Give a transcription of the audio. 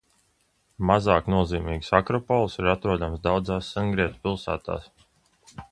Mazāk nozīmīgas akropoles ir atrodamas daudzās sengrieķu pilsētās.